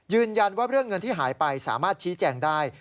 ยืนยันว่าเรื่องเงินที่หายไปสามารถชี้แจงได้